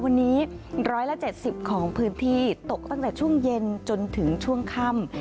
วันนี้๑๗๐ของพื้นที่ตกตั้งแต่ช่วงเย็นจนถึงช่วงค่ำ